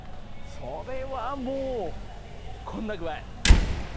それはもうこんな具合！